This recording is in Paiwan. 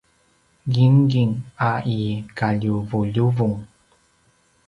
gingging a i kaljuvuljuvung